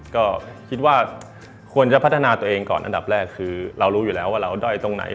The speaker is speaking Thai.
ก็คิดว่าควรจะพัฒนาตัวเองก่อนอันดับแรกคือเรารู้อยู่แล้วว่าเราด้อยตรงไหน